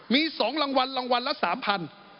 มี๒รางวัลรางวัลละ๓๐๐บาท